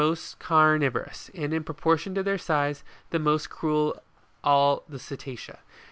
t carnivorous, and in proportion to their size, the most cruel of all the Cetacea.